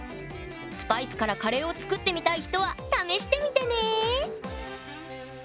スパイスからカレーを作ってみたい人は試してみてね